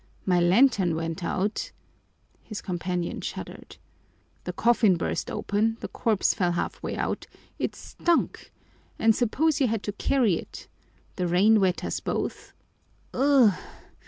My lantern went out " His companion shuddered. "The coffin burst open, the corpse fell half way out, it stunk and supposing you had to carry it the rain wet us both " "Ugh!